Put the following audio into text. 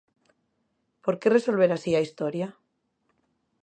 Por que resolver así a historia?